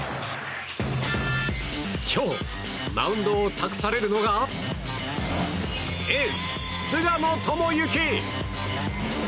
今日マウンドを託されるのがエース、菅野智之。